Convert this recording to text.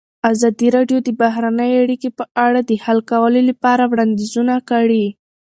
ازادي راډیو د بهرنۍ اړیکې په اړه د حل کولو لپاره وړاندیزونه کړي.